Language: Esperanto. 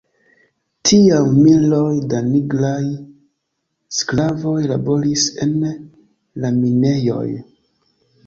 Tiam miloj da nigraj sklavoj laboris en la minejoj.